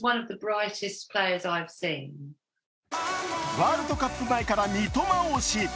ワールドカップ前から三笘推し。